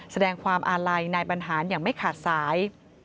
แสดงความอาลัยนายบรรหารอย่างไม่ขาดสาย